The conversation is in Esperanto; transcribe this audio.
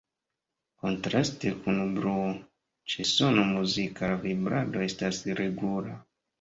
Kontraste kun bruo, ĉe sono muzika la vibrado estas regula.